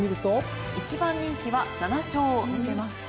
１番人気は７勝してます。